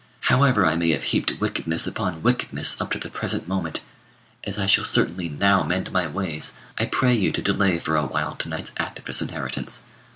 However I may have heaped wickedness upon wickedness up to the present moment, as I shall certainly now mend my ways, I pray you to delay for a while to night's act of disinheritance.